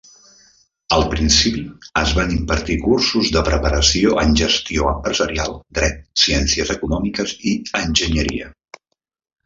Al principi, es van impartir cursos de preparació en gestió empresarial, dret, ciències econòmiques i enginyeria.